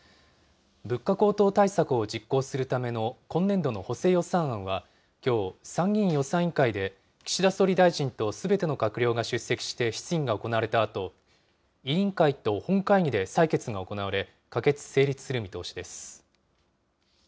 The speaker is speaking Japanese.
物価高騰対策を実行するための今年度の補正予算案はきょう、参議院予算委員会で、岸田総理大臣とすべての閣僚が出席して質疑が行われたあと、委員会と本会議で採決が行われ、可決・成立する見通しです。